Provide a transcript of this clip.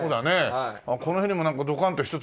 この辺にもなんかドカンと１つ欲しいよね。